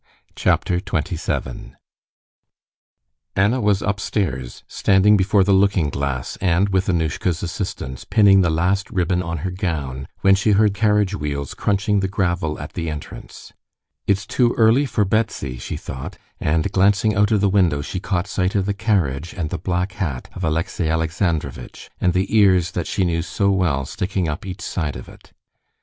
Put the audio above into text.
Chapter 27 Anna was upstairs, standing before the looking glass, and, with Annushka's assistance, pinning the last ribbon on her gown when she heard carriage wheels crunching the gravel at the entrance. "It's too early for Betsy," she thought, and glancing out of the window she caught sight of the carriage and the black hat of Alexey Alexandrovitch, and the ears that she knew so well sticking up each side of it.